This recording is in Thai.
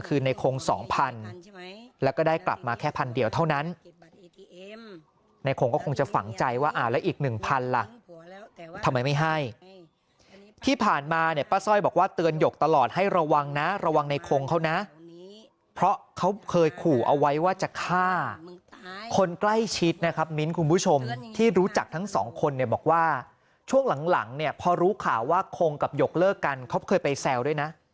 คือในคงสองพันแล้วก็ได้กลับมาแค่พันเดียวเท่านั้นในคงก็คงจะฝังใจว่าอ่าแล้วอีกหนึ่งพันล่ะทำไมไม่ให้ที่ผ่านมาเนี่ยป้าสร้อยบอกว่าเตือนหยกตลอดให้ระวังนะระวังในคงเขานะเพราะเขาเคยขู่เอาไว้ว่าจะฆ่าคนใกล้ชิดนะครับมิ้นคุณผู้ชมที่รู้จักทั้งสองคนเนี่ยบอกว่าช่วงหลังเนี่ยพอรู้ข่าวว่าคงกับหยกเลิกกันเขาเคยไปแซวด้วยนะ